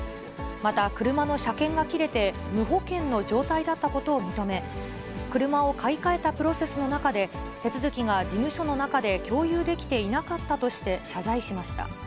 また、車の車検が切れて、無保険の状態だったことを認め、車を買い替えたプロセスの中で、手続きが事務所の中で共有できていなかったとして謝罪しました。